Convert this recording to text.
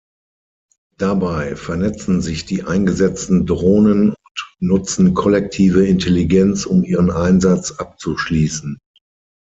Dabei vernetzen sich die eingesetzten Drohnen und nutzen Kollektive Intelligenz um ihren Einsatz abzuschließen.